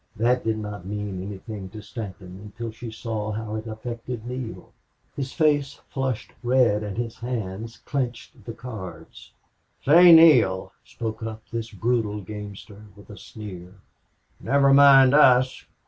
That did not mean anything to Stanton until she saw how it affected Neale. His face flushed red and his hands clenched the cards. "Say, Neale," spoke up this brutal gamester, with a sneer, "never mind us.